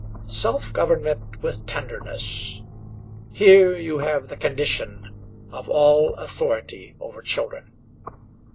Self government with tenderness, here you have the condition of all authority over children.